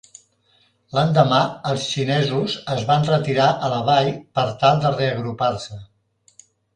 L'endemà, els xinesos es van retirar a la vall per tal de reagrupar-se.